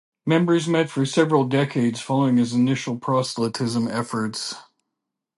Members met for several decades following his initial proselytism efforts.